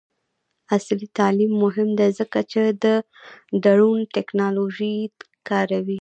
عصري تعلیم مهم دی ځکه چې د ډرون ټیکنالوژي کاروي.